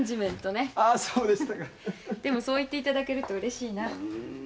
でもそう言っていただけるとうれしいな。